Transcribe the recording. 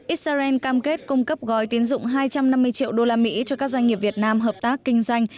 israel cam kết cung cấp gói tiến dụng hai trăm năm mươi triệu đô la mỹ cho các doanh nghiệp việt nam hợp tác kinh doanh